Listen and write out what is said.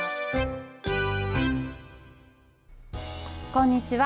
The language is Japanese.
こんにちは。